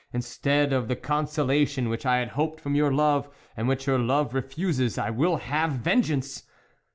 Instead of the consolation which I had hoped from your love, and which your love re fuses, I will have vengeance.